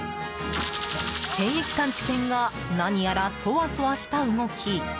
検疫探知犬が、何やらソワソワした動き。